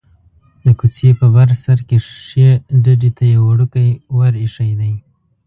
د کوڅې په بر سر کې ښيي ډډې ته یو وړوکی ور ایښی دی.